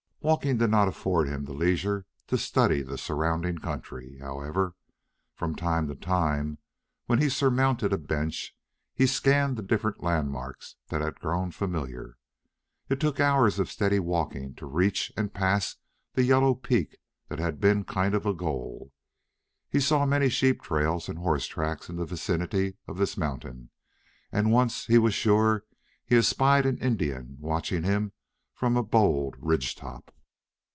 Walking did not afford him the leisure to study the surrounding country; however, from time to time, when he surmounted a bench he scanned the different landmarks that had grown familiar. It took hours of steady walking to reach and pass the yellow peak that had been a kind of goal. He saw many sheep trails and horse tracks in the vicinity of this mountain, and once he was sure he espied an Indian watching him from a bold ridge top.